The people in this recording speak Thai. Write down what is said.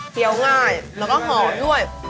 เทียวง่ายแล้วก็หอมด้วย